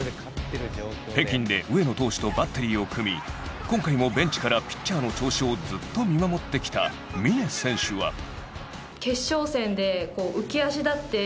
北京で上野投手とバッテリーを組み今回もベンチからピッチャーの調子をずっと見守ってきた峰選手は。